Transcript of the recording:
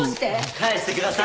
返してください！